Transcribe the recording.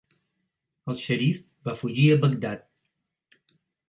El xerif va fugir a Bagdad.